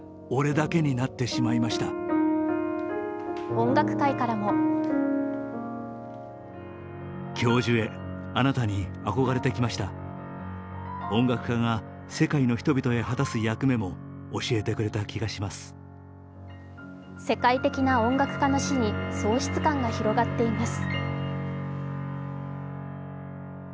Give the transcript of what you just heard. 音楽界からも世界的な音楽家の死に喪失感が広がっています。